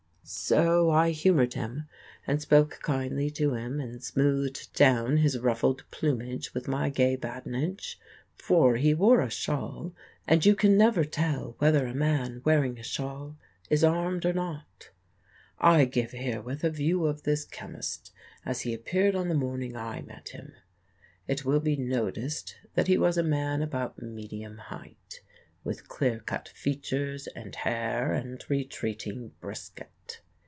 So I humored him and spoke kindly to him and smoothed down his ruffled plumage with my gay badinage, for he wore a shawl and you can never tell whether a man wearing a shawl is armed or not. I give herewith a view of this chemist as he appeared on the morning I met him. It will be noticed that he was a man about medium height with clear cut features and hair and retreating brisket.